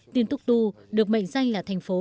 timbuktu được mệnh danh là thành phố